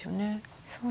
そうですね